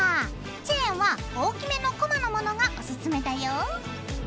チェーンは大きめのコマのものがおすすめだよ。